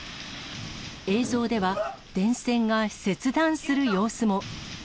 映像では、電線が切断する様子も。